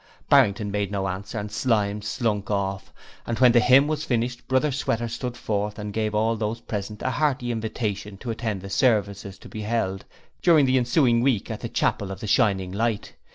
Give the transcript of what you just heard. Barrington made no answer and Slyme slunk off, and when the hymn was finished Brother Sweater stood forth and gave all those present a hearty invitation to attend the services to be held during the ensuing week at the Chapel of the Shining Light.